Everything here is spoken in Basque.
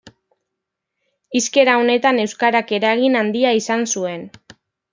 Hizkera honetan euskarak eragin handia izan zuen.